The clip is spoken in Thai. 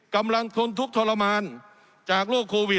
กำลังทนทุกข์ทรมานจากรูปโควิด